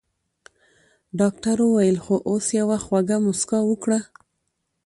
ډاکټر وويل خو اوس يوه خوږه مسکا وکړه.